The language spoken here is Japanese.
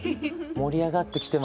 盛り上がってきて。